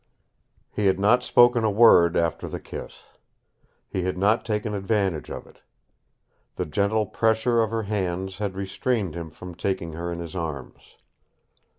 He had not spoken a word after the kiss. He had not taken advantage of it. The gentle pressure of her hands had restrained him from taking her in his arms.